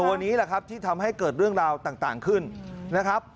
วันนี้แหละครับที่ทำให้เกิดเรื่องราวต่างขึ้นนะครับ